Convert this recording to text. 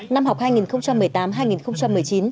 năm học hai nghìn một mươi tám hai nghìn một mươi chín